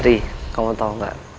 ri kamu tau gak